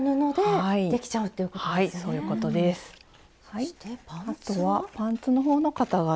そしてパンツは？